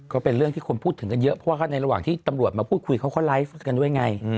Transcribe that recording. ก็เป็นเรื่องที่คนพูดถึงกันเยอะเพราะว่าในระหว่างที่ตำรวจมาพูดคุยเขาก็ไลฟ์กันด้วยไง